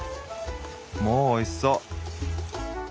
もうおいしそう！